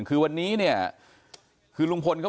คือวันนี้นี่วันนี้ลุงพลก็บอกว่า